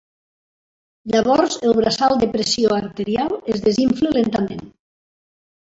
Llavors el braçal de pressió arterial es desinfla lentament.